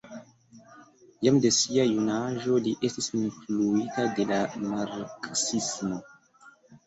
Jam de sia junaĝo li estis influita de la marksismo.